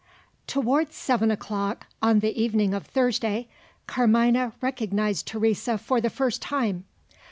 Towards seven o'clock on the evening of Thursday, Carmina recognised Teresa for the first time.